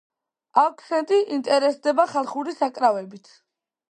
ავქსენტი ინტერესდება ხალხური საკრავებით.